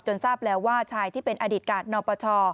ทราบแล้วว่าชายที่เป็นอดีตกาศนปช